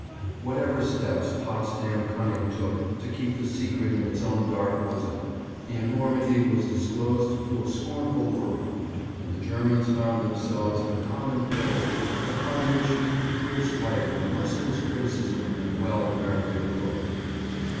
Whatever steps Potsdam cunning took to keep the secret in its own dark bosom, the enormity was disclosed to a scornful world, and the Germans found themselves in a common pillory upon which beat the fierce light of a merciless criticism and well merited opprobrium.